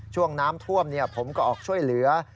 ช่วงน้ำท่วมผมก็ออกช่วยเหลือ